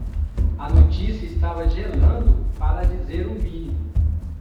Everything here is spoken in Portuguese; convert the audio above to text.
A notícia estava gelando? para dizer o mínimo.